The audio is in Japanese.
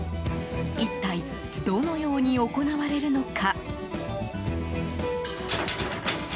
一体どのように行われるのか？